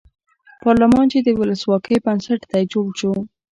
پارلمان چې د ولسواکۍ بنسټ دی جوړ شو.